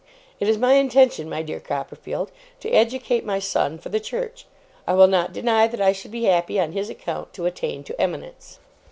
It is my intention, my dear Copperfield, to educate my son for the Church; I will not deny that I should be happy, on his account, to attain to eminence.